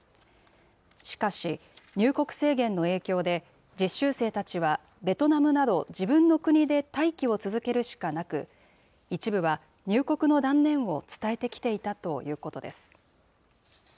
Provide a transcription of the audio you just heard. しかし、入国制限の影響で、実習生たちはベトナムなど自分の国で待機を続けるしかなく、一部は入国の断念を伝えてきていたということです。